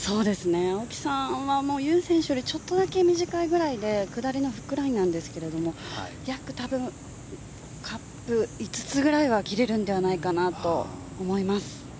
青木さんはユン選手よりちょっとだけ短いくらいで下りのフックラインなんですが約カップ５つぐらいは切れるんではないかと思います。